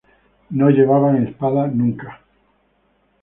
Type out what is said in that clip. No llevaban espada nunca.